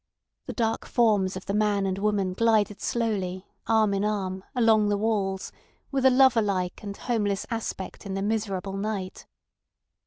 The dark forms of the man and woman glided slowly arm in arm along the walls with a loverlike and homeless aspect in the miserable night.